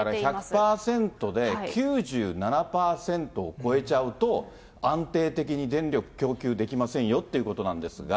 だから、１００％で９７％を超えちゃうと、安定的に電力供給できませんよっていうことなんですが。